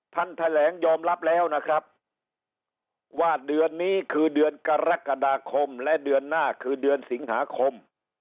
แถลงยอมรับแล้วนะครับว่าเดือนนี้คือเดือนกรกฎาคมและเดือนหน้าคือเดือนสิงหาคม